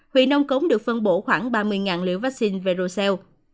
huyện nông cống được phân bổ khoảng ba mươi liều vaccine verocell